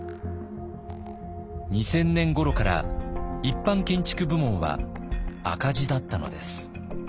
２０００年ごろから一般建築部門は赤字だったのです。